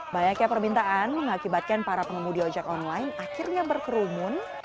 banyaknya permintaan mengakibatkan para pengemudi ojek online akhirnya berkerumun